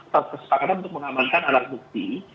terserah untuk mengamankan alat bukti